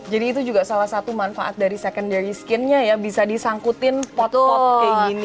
jadi itu juga salah satu manfaat dari secondary skinnya ya bisa disangkutin pot pot kayak gini